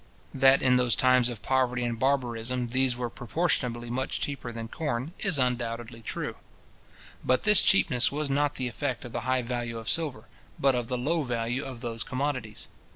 That in those times of poverty and barbarism these were proportionably much cheaper than corn, is undoubtedly true. But this cheapness was not the effect of the high value of silver, but of the low value of those commodities.